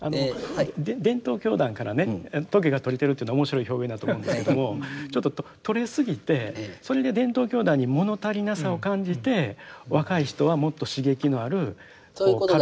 伝統教団からね棘が取れてるというのは面白い表現だと思うんですけどもちょっと取れすぎてそれで伝統教団に物足りなさを感じて若い人はもっと刺激のあるカルトに。